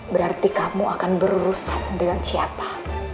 berarti kamu akan berurusan dengan siapa